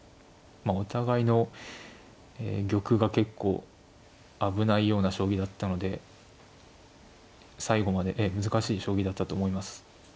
まあお互いの玉が結構危ないような将棋だったので最後まで難しい将棋だったと思います。